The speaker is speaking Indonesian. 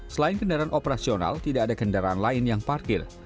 selain kendaraan operasional tidak ada kendaraan lain yang parkir